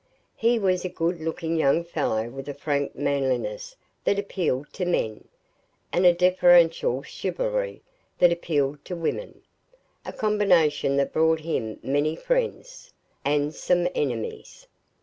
He was a good looking young fellow with a frank manliness that appealed to men, and a deferential chivalry that appealed to women; a combination that brought him many friends and some enemies.